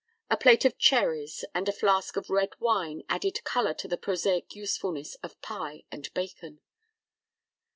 A plate of cherries and a flask of red wine added color to the prosaic usefulness of pie and bacon.